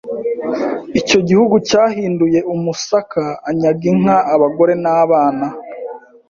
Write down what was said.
Icyo gihugu yagihinduye umusaka anyaga inka abagore n’abana